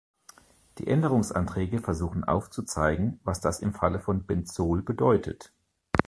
Die Änderungsanträge versuchen aufzuzeigen, was das im Falle von Benzol bedeutet.